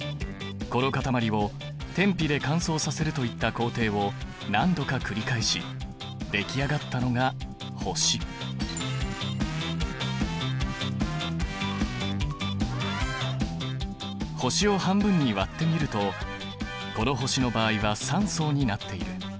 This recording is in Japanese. この固まりを天日で乾燥させるといった工程を何度か繰り返し出来上がったのが星を半分に割ってみるとこの星の場合は３層になっている。